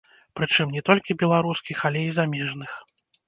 Прычым не толькі беларускіх, але і замежных.